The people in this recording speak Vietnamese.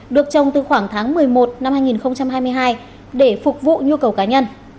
được trồng từ khoảng tháng một mươi một năm hai nghìn hai mươi hai để phục vụ nhu cầu cá nhân